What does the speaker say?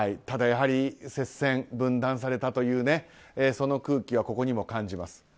ただやはり、接戦、分断されたという空気はここにも感じます。